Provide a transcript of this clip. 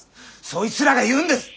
そいつらが言うんです